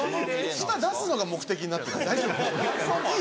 舌出すのが目的になってない？